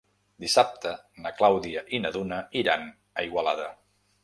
Dissabte na Clàudia i na Duna iran a Igualada.